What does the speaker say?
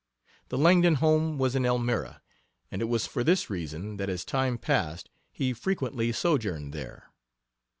The Langdon home was in Elmira, and it was for this reason that as time passed he frequently sojourned there.